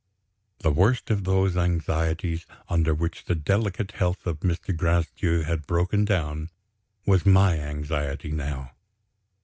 The worst of those anxieties, under which the delicate health of Mr. Gracedieu had broken down, was my anxiety now.